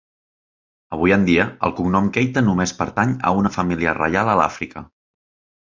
Avui en dia el cognom Keita només pertany a una família reial a l'Àfrica.